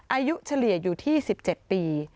เฉลี่ยอยู่ที่๑๗ปี